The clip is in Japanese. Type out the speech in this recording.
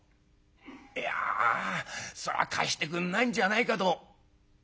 「いやそれは貸してくんないんじゃないかと」。